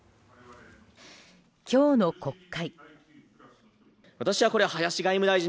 今日の国会。